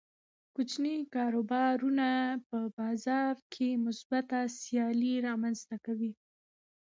کوچني کاروبارونه په بازار کې مثبته سیالي رامنځته کوي.